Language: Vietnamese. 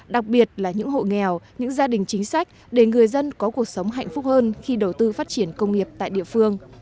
đặc biệt là những hộ nghèo những gia đình chính sách để người dân có cuộc sống hạnh phúc hơn khi đầu tư phát triển công nghiệp tại địa phương